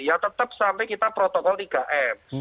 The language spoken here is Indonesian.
ya tetap sampai kita protokol tiga m